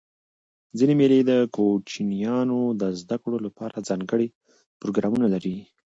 ځيني مېلې د کوچنيانو د زدهکړي له پاره ځانګړي پروګرامونه لري.